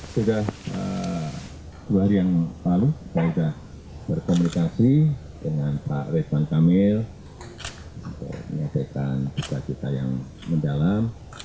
sudah dua hari yang lalu saya sudah berkomunikasi dengan pak ridwan kamil untuk menyampaikan duka cita yang mendalam